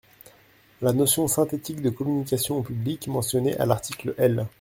La notion synthétique de communication au public, mentionnée à l’article L.